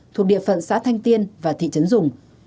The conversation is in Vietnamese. thuộc địa phận xã thanh tiên và thị trấn dùng